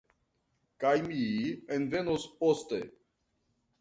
Kaj mi envenos poste.